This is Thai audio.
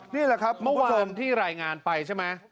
นี่แหละครับเมื่อวานที่รายงานไปใช่ไหม